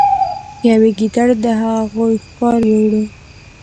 یوې ګیدړې د هغوی ښکار یووړ.